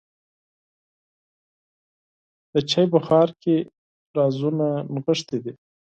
د چای بخار کې رازونه نغښتي دي.